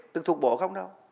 tự thuộc bộ không đâu